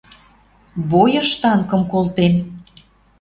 Бойыш танкым колтен.